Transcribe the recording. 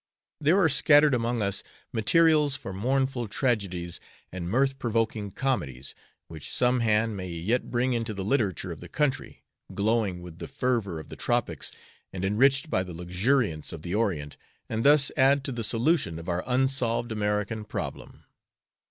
There are scattered among us materials for mournful tragedies and mirth provoking comedies, which some hand may yet bring into the literature of the country, glowing with the fervor of the tropics and enriched by the luxuriance of the Orient, and thus add to the solution of our unsolved American problem.